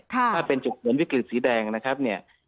ถ้าเป็นฉุกเฉินวิกฤตสีแดงนะครับเนี่ย